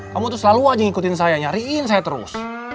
kamu tuh selalu aja ngikutin saya nyariin saya terus